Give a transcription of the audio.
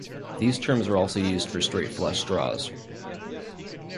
These terms are also used for straight flush draws.